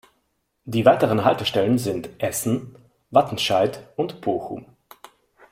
Die weiteren Haltestellen sind Essen, Wattenscheid und Bochum.